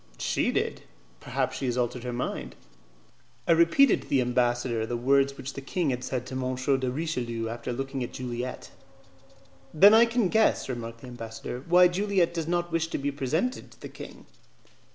"She did." "Perhaps she has altered her mind." I repeated to the ambassador the words which the king had said to M. de Richelieu after looking at Juliette. "Then I can guess," remarked the ambassador, "why Juliette does not wish to be presented to the king."